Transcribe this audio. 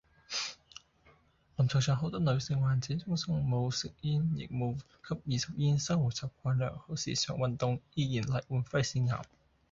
臨床上好多女性患者，終生冇食煙亦冇吸二手煙，生活習慣良好時常運動，依然罹患肺腺癌